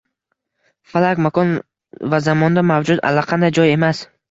Falak makon va zamonda mavjud allaqanday joy emas